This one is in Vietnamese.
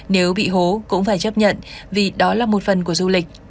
nếu bị hố cũng phải chấp nhận vì đó là một phần của du lịch